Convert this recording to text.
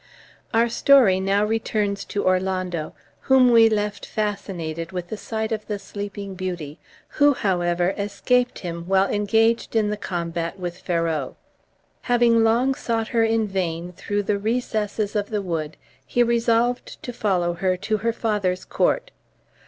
Our story now returns to Orlando, whom we left fascinated with the sight of the sleeping beauty, who, however, escaped him while engaged in the combat with Ferrau. Having long sought her in vain through the recesses of the wood, he resolved to follow her to her father's court.